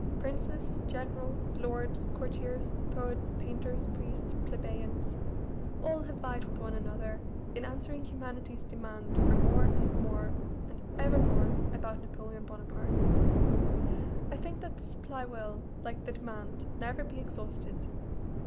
Princes, generals, lords, courtiers, poets, painters, priests, plebeians all have vied with one another in answering humanity's demand for more and more and ever more about Napoleon Bonaparte. I think that the supply will, like the demand, never be exhausted.